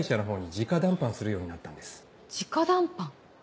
直談判。